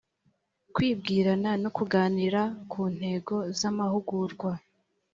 kwibwirana no kuganira ku ntego z amahugurwa